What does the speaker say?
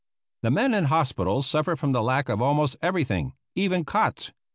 The men in hospitals suffered from lack of almost everything, even cots.